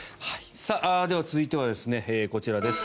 では、続いてはこちらです。